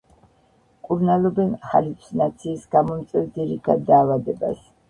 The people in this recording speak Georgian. მკურნალობენ ჰალუცინაციის გამომწვევ ძირითად დაავადებას.